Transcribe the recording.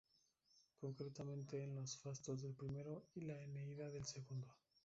Concretamente en Los fastos del primero y La Eneida del segundo.